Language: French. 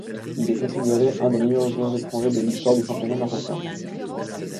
Il est considéré un des meilleurs joueurs étrangers de l'histoire du championnat marocain.